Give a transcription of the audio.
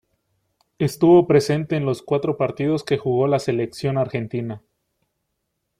Estuvo presente en los cuatro partidos que jugó la Selección Argentina.